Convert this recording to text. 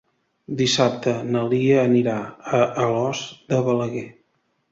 Dissabte na Lia anirà a Alòs de Balaguer.